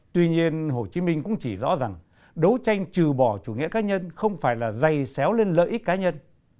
tuy nhiên hồ chí minh cũng chỉ rõ rằng đấu tranh trừ bỏ chủ nghĩa cá nhân không phải là dày xéo lên lợi ích cá nhân